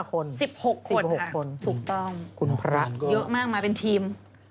๑๕คน๑๖คนค่ะถูกต้องเยอะมากมากเป็นทีม